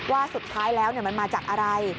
ว่าสุดท้ายแล้วมันมาจากอะไร